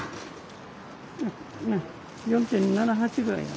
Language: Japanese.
４．７８ぐらい。